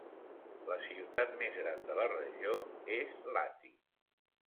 La ciutat més gran de la regió és Lahti.